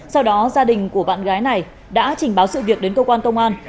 sau đó gia đình của bạn gái này đã trình báo sự việc đến cơ quan công an